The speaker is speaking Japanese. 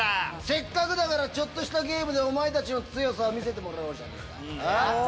せっかくだからちょっとしたゲームでお前たちの強さを見せてもらおうじゃねえか。